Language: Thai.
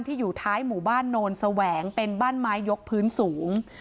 อยู่ท้ายหมู่บ้านโนนแสวงเป็นบ้านไม้ยกพื้นสูง